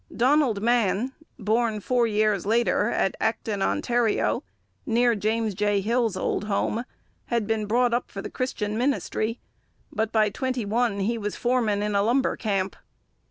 Donald Mann, born four years later at Acton, Ontario, near James J. Hill's old home, had been brought up for the Christian ministry, but by twenty one he was foreman in a lumber camp.